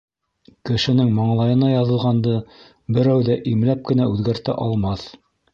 Кешенең маңлайына яҙылғанды берәү ҙә имләп кенә үҙгәртә алмаҫ.